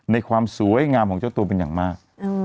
ในความสวยงามของเจ้าตัวเป็นอย่างมาก